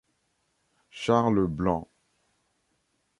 Charles Blanc.